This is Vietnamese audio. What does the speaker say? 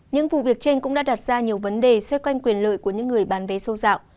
những vụ việc trên cũng đã đặt ra nhiều vấn đề xoay quanh quyền lợi của những người bán vé sâu dạo